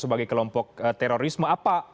sebagai kelompok terorisme apa